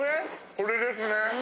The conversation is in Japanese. これですね。